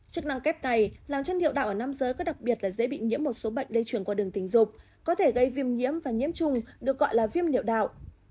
chức năng kép này làm chân hiệu đạo ở nam giới có đặc biệt là dễ bị nhiễm một số bệnh lây chuyển qua đường tình dục có thể gây viêm nhiễm và nhiễm trùng được gọi là viêm hiệu đạo